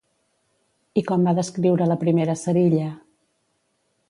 I com va descriure la primera cerilla?